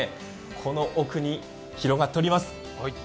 この奥に広がっております。